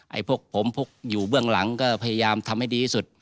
พวกผมพวกอยู่เบื้องหลังก็พยายามทำให้ดีที่สุด